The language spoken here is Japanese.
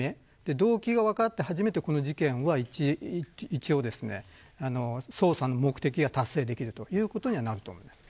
動機が分かって初めてこの事件は捜査の目的が達成できるということになります。